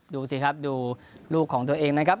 ดูสิครับดูลูกของตัวเองนะครับ